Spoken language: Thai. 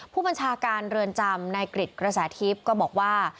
ผู้บัญชาการเรือนจำนายกริจกระแสทิพย์ก็บอกว่า